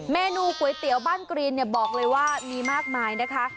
เมนูก๋วยเตี๋ยวบ้านกรีนเนี่ยบอกเลยว่ามีมากมายนะคะ